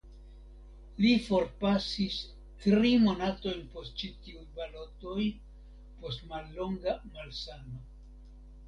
Li forpasis tri monatojn post ĉi tiuj balotoj post mallonga malsano.